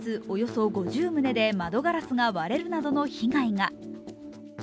およそ５０棟で窓ガラスが割れるなどの被害が。